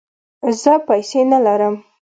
زه پیسې نه لرم